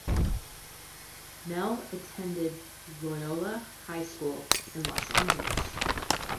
Mehl attended Loyola High School in Los Angeles.